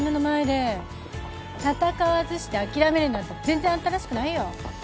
戦わずして諦めるなんて全然あんたらしくないよ。